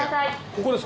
ここです。